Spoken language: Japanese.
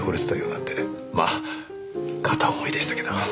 まあ片思いでしたけど。